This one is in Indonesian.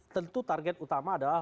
tentu target utama adalah